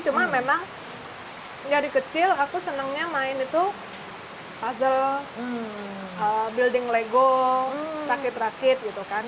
cuma memang dari kecil aku senangnya main itu puzzle building legong rakit rakit gitu kan